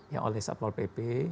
yang oleh sapor pp